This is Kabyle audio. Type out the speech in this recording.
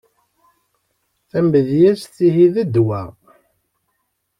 Tamedyazt ihi d ddwa.